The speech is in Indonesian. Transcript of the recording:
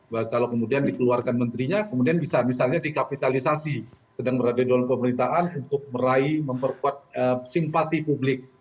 bahwa kalau kemudian dikeluarkan menterinya kemudian bisa misalnya dikapitalisasi sedang berada di dalam pemerintahan untuk meraih memperkuat simpati publik